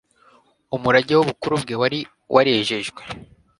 umurage wu bukuru bwe, wari warejejwe